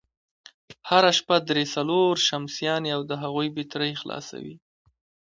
هره شپه درې، څلور شمسيانې او د هغوی بېټرۍ خلاصوي،